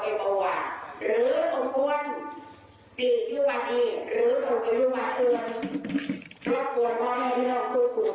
หรือต้องควรติดอยู่บัดสิงหรือกลับอยู่บัดขึ้น